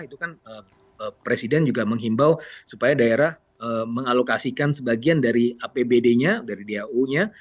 itu kan presiden juga menghimbau supaya daerah mengalokasikan sebagian dari apbd nya dari dau nya